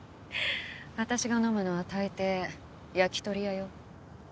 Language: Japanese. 私が飲むのは大抵焼き鳥屋よ。